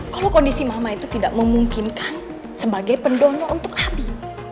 kalau kondisi mama itu tidak memungkinkan sebagai pendono untuk habi